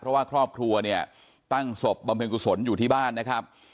เพราะว่าครอบครัวเนี่ยตั้งศพบำเพ็ญกุศลอยู่ที่บ้านนะครับ